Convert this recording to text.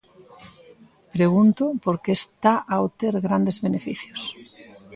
Pregunto, porque está a obter grandes beneficios.